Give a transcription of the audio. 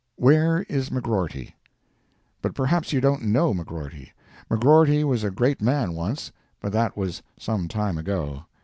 Where Is McGrorty? But perhaps you don't know McGrorty? McGrorty was a great man once—but that was some time ago.